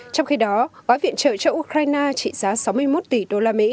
trong khi đó gói viện trợ cho ukraine trị giá sáu mươi một tỷ usd